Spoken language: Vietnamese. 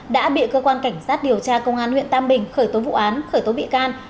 đã bị cơ quan cảnh sát điều tra công an huyện tam bình khởi tố vụ án khởi tố bị can